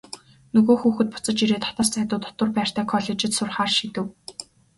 Нөгөө хүүхэд буцаж ирээд хотоос зайдуу дотуур байртай коллежид сурахаар шийдэв.